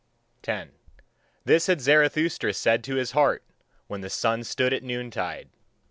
10. This had Zarathustra said to his heart when the sun stood at noon tide.